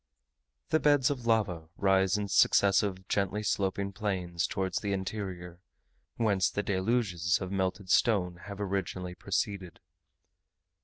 The beds of lava rise in successive gently sloping plains, towards the interior, whence the deluges of melted stone have originally proceeded.